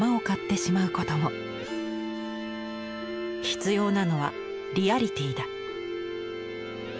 「必要なのはリアリティだ」。